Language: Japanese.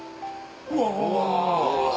うわ。